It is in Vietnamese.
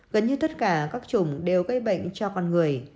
gần như tất cả các chủng đều gây bệnh cho con người